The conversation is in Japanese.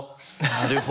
なるほど。